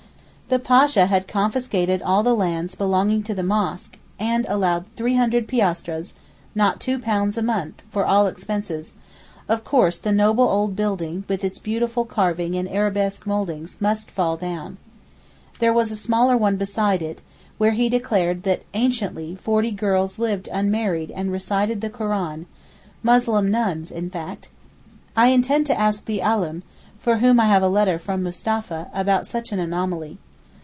The Pasha had confiscated all the lands belonging to the mosque, and allowed 300 piastres—not £2 a month—for all expenses; of course the noble old building with its beautiful carving and arabesque mouldings must fall down. There was a smaller one beside it, where he declared that anciently forty girls lived unmarried and recited the Koran—Muslim nuns, in fact. I intend to ask the Alim, for whom I have a letter from Mustapha, about such an anomaly.